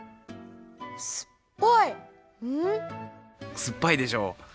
すっぱいでしょ？